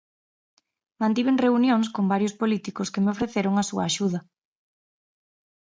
Mantiven reunións con varios políticos que me ofreceron a súa axuda.